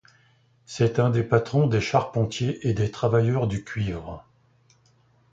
C'est un des patrons des charpentiers et des travailleurs du cuivre.